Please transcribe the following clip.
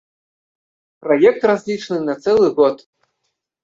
Праект разлічаны на цэлы год.